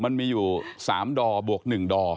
มันมีอยู่๓ดอร์บวก๑ดอร์